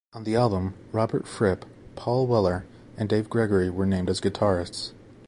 On the album, Robert Fripp, Paul Weller, and Dave Gregory were named as guitarists.